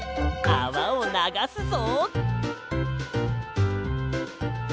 あわをながすぞ。